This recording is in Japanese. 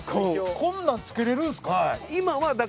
こんなん付けれるんですか？